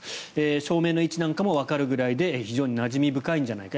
照明の位置なんかもわかるぐらいで非常になじみ深いんじゃないかと。